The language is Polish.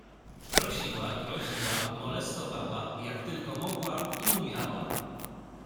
"Prosiła, groziła, molestowała, jak tylko mogła i umiała."